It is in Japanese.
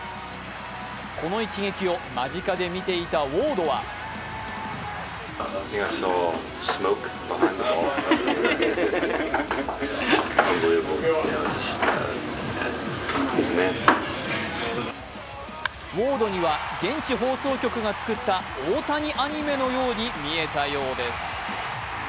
この一撃を間近で見ていたウォードはウォードには現地放送局が作った大谷アニメのように見えたようです。